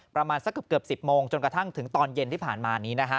ประมาณสักเกือบ๑๐โมงจนกระทั่งถึงตอนเย็นที่ผ่านมานี้นะฮะ